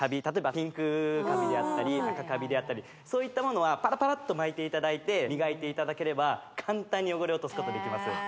例えばピンクカビであったり赤カビであったりそういったものはパラパラっとまいて磨いていただければ簡単に汚れ落とすことできます